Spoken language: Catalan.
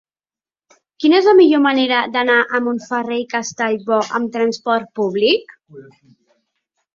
Quina és la millor manera d'anar a Montferrer i Castellbò amb trasport públic?